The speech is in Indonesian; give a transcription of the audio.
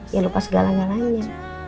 ya lupa segala galanya